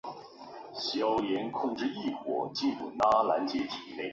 曾任第一高级步兵学校副政委兼政治部主任。